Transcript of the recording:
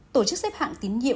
tổ chức xếp hạng tín nhiệm